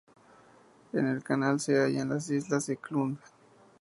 En el canal se hallan la islas Eklund.